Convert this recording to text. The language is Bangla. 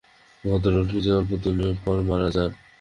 ভদ্রলোক নিজেও অল্প দিন পর মারা যান।